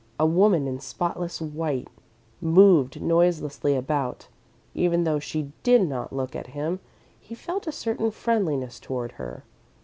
A woman in spotless white moved noiselessly about. Even though she did not look at him, he felt a certain friendliness toward her.